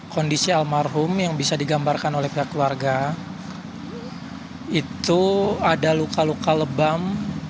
kondisi almarhum yang bisa digambarkan oleh pihak keluarga itu ada luka luka lebam